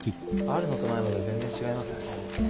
あるのとないので全然違いますよね。